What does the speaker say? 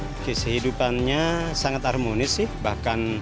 oke kehidupannya sangat harmonis sih